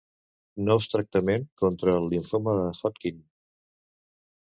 Nous tractament contra el limfoma de Hodgkin.